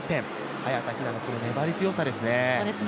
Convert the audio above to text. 早田ひなの粘り強さですね。